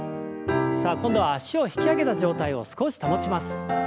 さあ今度は脚を引き上げた状態を少し保ちます。